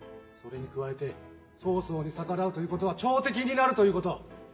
それに加えて曹操に逆らうということは朝敵になるということ。